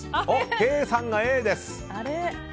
ケイさんがＡです。